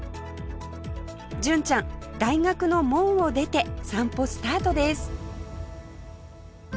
純ちゃん大学の門を出て散歩スタートです